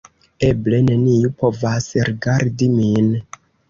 Eble, neniu povas rigardi min